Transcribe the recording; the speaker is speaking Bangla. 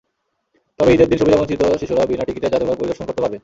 তবে ঈদের দিন সুবিধাবঞ্চিত শিশুরা বিনা টিকিটে জাদুঘর পরিদর্শন করতে পারবে।